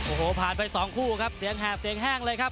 โอ้โหผ่านไปสองคู่ครับเสียงแหบเสียงแห้งเลยครับ